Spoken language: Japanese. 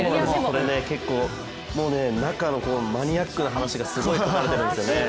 これ結構、中のマニアックな話が書かれているんですよね。